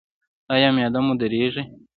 ایا معده مو دردیږي؟